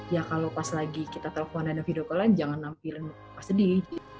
ya kalau pas lagi kita telepon ada video callan jangan nampilin pas sedih